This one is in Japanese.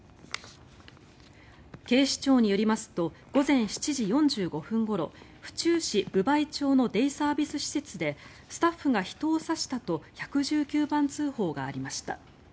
警視庁によりますと午前７時４５分ごろ府中市分梅町のデイサービス施設でスタッフが人を刺したと１１９番通報がありました。